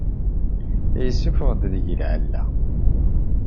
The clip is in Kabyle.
Yessuffeɣ-d deg-i lɛella.